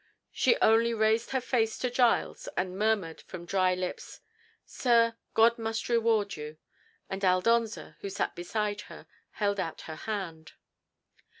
She only raised her face to Giles and murmured from dry lips, "Sir, God must reward you!" And Aldonza, who sat beside her, held out her hand.